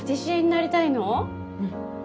うん。